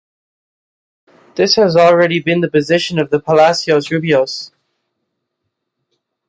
This had already been the position of Palacios Rubios.